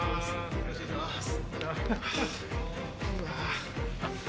よろしくお願いします。